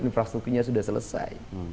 infrastrukturnya sudah selesai